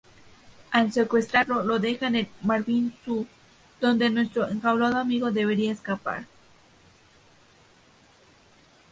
Al secuestrarlo lo deja en el Marvin zoo, donde nuestro enjaulado amigo deberá escapar.